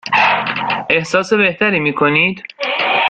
احساس بهتری می کنید؟